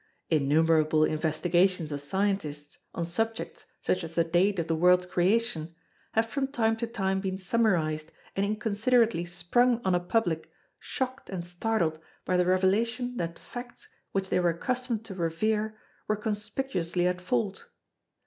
Innumerable investigations of scientists on subjects such as the date of the world's creation, have from time to time been summarised and inconsiderately sprung on a Public shocked and startled by the revelation that facts which they were accustomed to revere were conspicuously at fault.